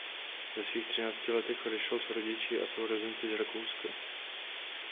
Ve svých třinácti letech odešel s rodiči a sourozenci z Rakouska.